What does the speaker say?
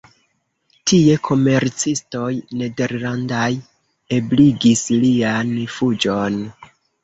Tie komercistoj nederlandaj ebligis lian fuĝon.